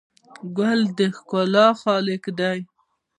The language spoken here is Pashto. ګل د ښکلا خالق دی.